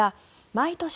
毎年